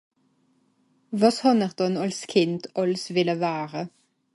Wàs hàn'r dànn àls Kìnd àls wìlle ware ?